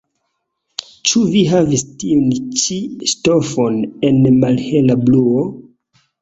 Ĉu vi havas tiun ĉi ŝtofon en malhela bluo?